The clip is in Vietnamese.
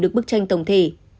được bức tranh tổng thể